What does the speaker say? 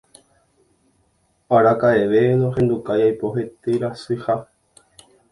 araka'eve nohendukái aipo heterasyha